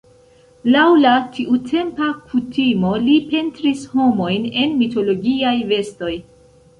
Laŭ la tiutempa kutimo li pentris homojn en mitologiaj vestoj.